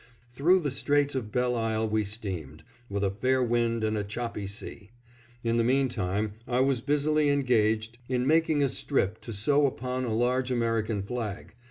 Through the Straits of Belle Isle we steamed, with a fair wind and a choppy sea. In the meantime I was busily engaged in making a strip to sew upon a large American flag.